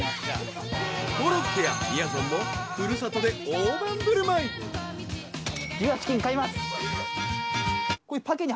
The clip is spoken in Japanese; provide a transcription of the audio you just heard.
コロッケや、みやぞんも故郷で大盤振る舞い。